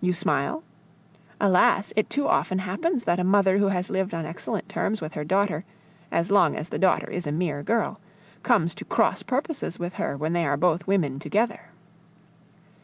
You smile? Alas! it too often happens that a mother who has lived on excellent terms with her daughter, as long as the daughter is a mere girl, comes to cross purposes with her when they are both women together.